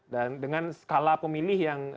dan dengan skala pemilih yang